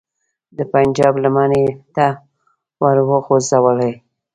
د پنجاب لمنې ته وروغورځولې.